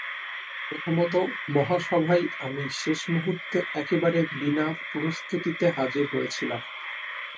প্রথমত মহাসভায় আমি শেষ মুহূর্তে একেবারে বিনা প্রস্তুতিতে হাজির হয়েছিলাম।